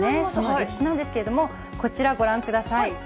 その歴史なんですけれども、こちらご覧ください。